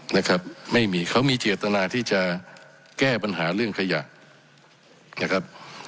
นะครับไม่มีเขามีเจตนาที่จะแก้ปัญหาเรื่องขยะนะครับ